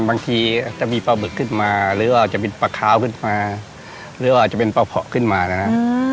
บางทีจะมีปลาบึกขึ้นมาหรือว่าจะมีปลาเค้าขึ้นมาหรือว่าจะเป็นปลาผอขึ้นมานะฮะอืม